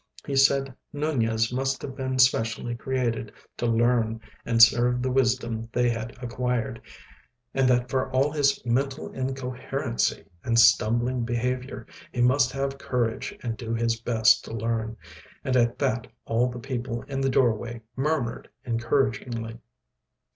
He said Nunez must have been specially created to learn and serve the wisdom they had acquired, and that for all his mental incoherency and stumbling behaviour he must have courage and do his best to learn, and at that all the people in the door way murmured encouragingly.